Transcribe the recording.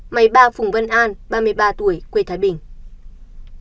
máy ba phùng văn an ba mươi ba tuổi quê thái bình